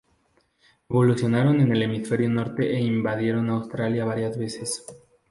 Evolucionaron en el hemisferio norte e invadieron Australasia varias veces.